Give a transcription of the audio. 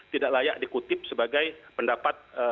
tidak layak dikutip sebagai pendapat